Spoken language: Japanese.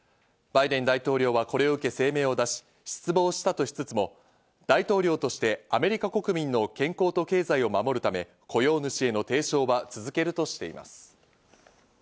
バイデン大統領はこれを受け、声明を出し、失望したとしつつも大統領としてアメリカ国民の健康と経済を守るため、雇用主への提唱は続けるとしています。